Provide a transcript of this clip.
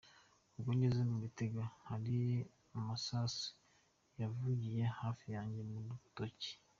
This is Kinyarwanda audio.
Ubwo ngeze mu Bitega, hari amasasu yavugiye hafi yanjye mu rutoki.